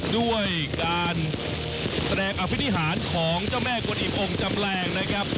ด้วยการแสดงอภินิหารของเจ้าแม่กลอิ่มองค์จำแรงนะครับ